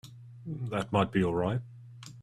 That might be all right.